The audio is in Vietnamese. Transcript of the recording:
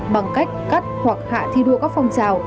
bằng cách cắt hoặc hạ thi đua các phong trào